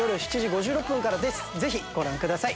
ぜひご覧ください